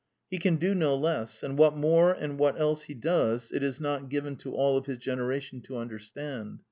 He can do no less; and what more and what else he does it is not given to all of his generation to understand.